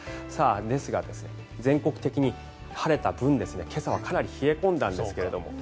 ですが、全国的に晴れた分今朝はかなり冷え込んだんですけども。